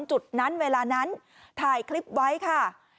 จุดนั้นเวลานั้นถ่ายคลิปไว้ค่ะ